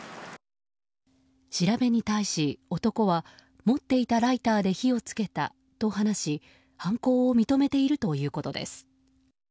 調べに対し、男は持っていたライターで火を付けたと話し犯行を認めているということです。